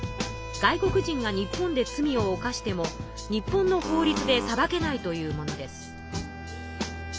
外国人が日本で罪を犯しても日本の法りつで裁けないというものです。